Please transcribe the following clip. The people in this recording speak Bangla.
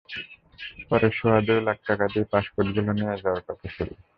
পরে সোয়া দুই লাখ টাকা দিয়ে পাসপোর্টগুলো নিয়ে যাওয়ার কথা ছিল।